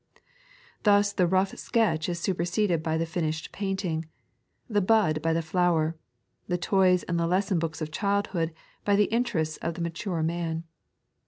Thus the rough sketch is superseded by the finished painting, the bud by the flower, the toys and the leSBon books of childhood by the interests of the mature man.